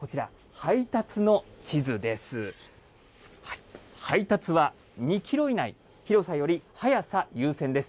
配達は２キロ以内、広さより早さ優先です。